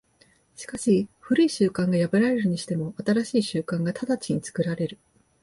しかし旧い習慣が破られるにしても、新しい習慣が直ちに作られる。